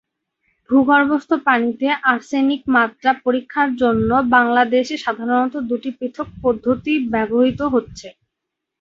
ভূগর্ভস্থ পানিতে আর্সেনিক মাত্রা পরীক্ষার জন্য বাংলাদেশে সাধারণত দুটি পৃথক পদ্ধতি ব্যবহূত হচ্ছে।